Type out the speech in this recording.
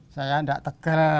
saya tidak tegak